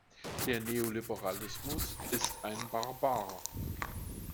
Der Neoliberalismus ist ein Barbar.